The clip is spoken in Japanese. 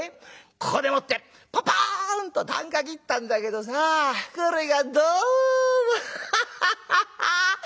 ここでもってパパーンと啖呵切ったんだけどさこれがどもハハハハッ！